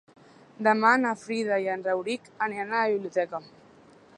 Demà na Frida i en Rauric aniran a la biblioteca.